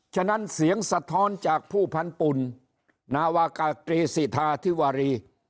ฉะนั้นเสียงสะท้อนจากผู้พันธุ่นนาวากาตรีสิทธาธิวารี